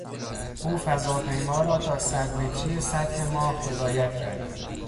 او فضاپیما را تا صدمتری سطح ماه هدایت کرد.